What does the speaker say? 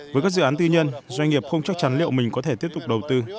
với các dự án tư nhân doanh nghiệp không chắc chắn liệu mình có thể tiếp tục đầu tư